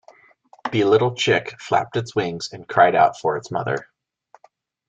The little chick flapped its wings and cried out for its mother.